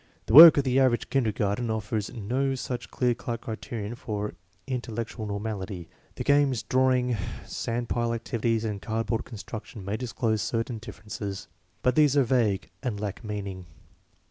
The work of the average kindergarten offers no such clear cut criterion of intellectual normality. 38 INTELLIGENCE OF SCHOOL CHILDREN The games, drawing, sand pile activities and card board construction may disclose certain differences, but these are vague and lack meaning.